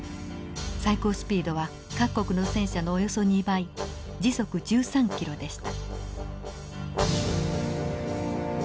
最高スピードは各国の戦車のおよそ２倍時速１３キロでした。